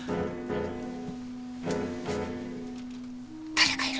誰かいる？